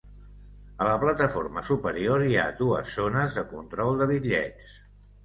A la plataforma superior, hi ha dues zones de control de bitllets.